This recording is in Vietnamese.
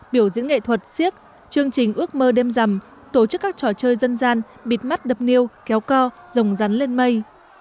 biểu diễn nghệ thuật siếc chương trình ước mơ đêm rằm tổ chức các trò chơi dân gian bịt mắt đập niêu kéo co rồng rắn lên mây